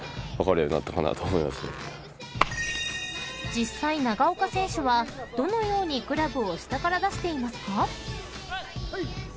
［実際長岡選手はどのようにグラブを下から出していますか？］